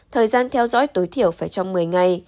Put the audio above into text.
thời gian theo dõi tối thiểu phải trong một mươi ngày